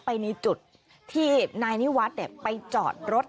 ในจุดที่นายนิวัฒน์ไปจอดรถ